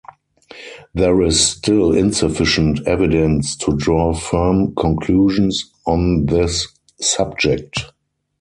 There is still insufficient evidence to draw firm conclusions on this subject.